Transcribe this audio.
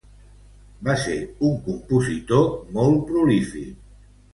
Va ser un compositor molt prolífic.